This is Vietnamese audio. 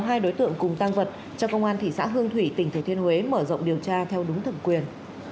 hai đối tượng cùng tăng vật cho công an thị xã hương thủy tỉnh thừa thiên huế mở rộng điều tra theo đúng thẩm quyền